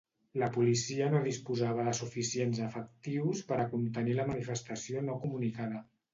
La policia no disposava de suficients efectius per a contenir la manifestació no comunicada.